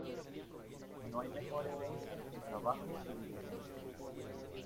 No hay mejor herencia que trabajo y diligencia.